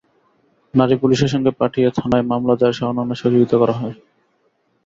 নারী পুলিশের সঙ্গে পাঠিয়ে থানায় মামলা দায়েরসহ অন্যান্য সহযোগিতা করা হয়।